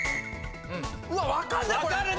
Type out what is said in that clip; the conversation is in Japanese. うわっ分かんないこれ。